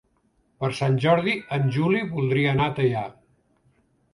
Per Sant Jordi en Juli voldria anar a Teià.